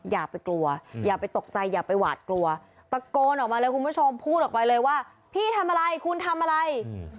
อย่าไปกลัวอย่าไปตกใจอย่าไปหวาดกลัวตะโกนออกมาเลยคุณผู้ชมพูดออกไปเลยว่าพี่ทำอะไรคุณทำอะไร